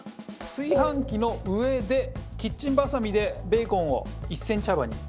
炊飯器の上でキッチンばさみでベーコンを１センチ幅に。